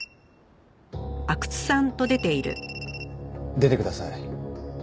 出てください。